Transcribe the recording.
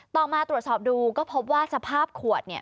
มาตรวจสอบดูก็พบว่าสภาพขวดเนี่ย